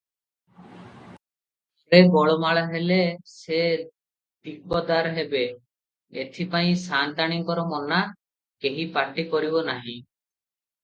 ଘରେ ଗୋଳମାଳ ହେଲେ ସେ ଦିକଦାର ହେବେ, ଏଥିପାଇଁ ସାନ୍ତାଣୀଙ୍କର ମନା, କେହି ପାଟି କରିବେ ନାହିଁ ।